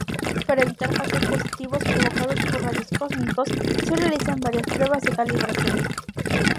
Para evitar falsos positivos provocados por rayos cósmicos, se realizan varias pruebas de calibración.